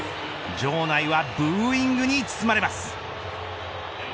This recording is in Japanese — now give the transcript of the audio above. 場内はブーイングに包まれます。